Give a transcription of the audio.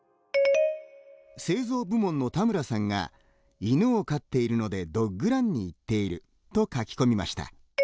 製造部門の田村さんが「犬を飼っているのでドッグランに行っている」と書き込みました。